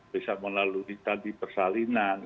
bisa melalui tadi persalinan